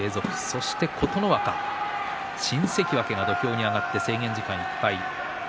そして琴ノ若、新関脇が土俵に上がって制限時間いっぱい。